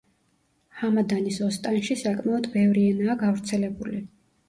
ჰამადანის ოსტანში საკმაოდ ბევრი ენაა გავრცელებული.